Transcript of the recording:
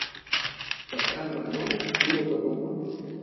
Per Sant Ramon fila tot el món.